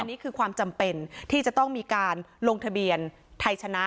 นี่คือความจำเป็นที่จะต้องมีการลงทะเบียนไทยชนะ